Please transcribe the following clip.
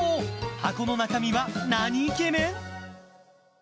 箱の中身はなにイケメン？